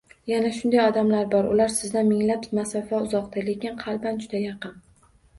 Yana shunday odamlar bor: ular sizdan minglab masofa uzoqda, lekin qalban juda yaqin.